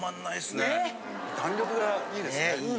・弾力がいいですね・